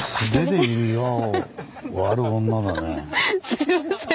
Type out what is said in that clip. すみません。